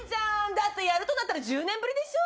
だってやるとなったら１０年ぶりでしょ？